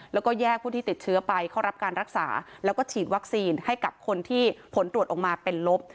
แล้วก็แยกผู้ที่ติดเชื้อไปเข้ารับการรักษาแล้วก็ฉีดวัคซีนให้กับคนที่ผลตรวจออกมาเป็นลบ